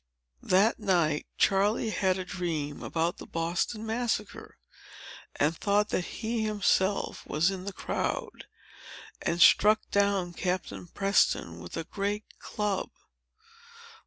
That night, Charley had a dream about the Boston Massacre, and thought that he himself was in the crowd, and struck down Captain Preston with a great club.